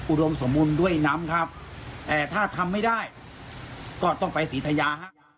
อุดมสมบูรณ์ด้วยน้ำครับแต่ถ้าทำไม่ได้ก็ต้องไปศรีธยาฮะ